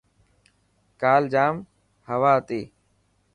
ڪال ڄام هوا هتي.